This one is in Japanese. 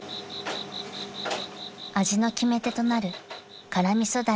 ［味の決め手となる辛味噌